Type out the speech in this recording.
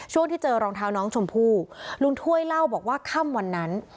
ช่วงที่เจอรองเท้าน้องชมพู่ลุงถ้วยเล่าบอกว่าค่ำวันนั้น